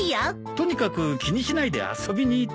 とにかく気にしないで遊びに行っておいで。